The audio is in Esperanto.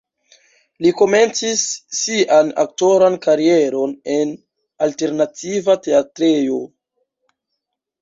Li komencis sian aktoran karieron en alternativa teatrejo.